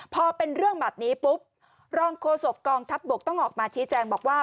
พอเป็นเรื่องแบบนี้ปุ๊บรองโฆษกองทัพบกต้องออกมาชี้แจงบอกว่า